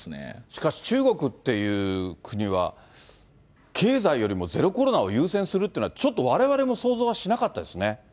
しかし中国っていう国は、経済よりもゼロコロナを優先するっていうのは、ちょっとわれわれも想像はしなかったです